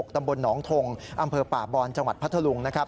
ตำบลหนองฐงอำเภอปรบนจังหวัดพัฒนฤวง